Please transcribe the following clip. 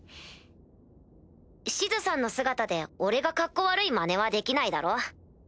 シズさんの姿で俺がカッコ悪いまねはできないだろ？